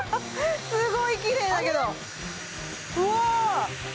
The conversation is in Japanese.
すごいきれいだけどうわ！